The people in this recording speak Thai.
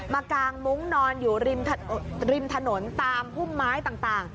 กางมุ้งนอนอยู่ริมถนนตามพุ่มไม้ต่าง